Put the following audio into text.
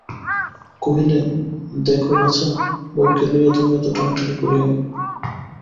কহিলেন, দেখো বাছা, বউকে লইয়া তুমি অত টানাটানি করিয়ো না।